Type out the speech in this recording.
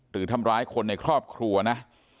หรือทำร้ายคนในครอบครัวนะ